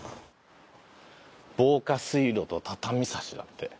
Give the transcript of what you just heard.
「防火水路と“畳差し”」だって。